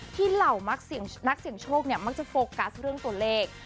เหล่านักเสี่ยงโชคเนี่ยมักจะโฟกัสเรื่องตัวเลข